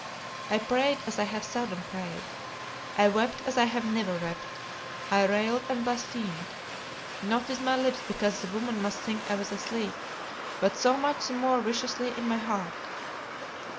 I prayed as I have seldom prayed. I wept as I have never wept. I railed and blasphemed not with my lips, because the woman must think I was asleep but so much the more viciously in my heart.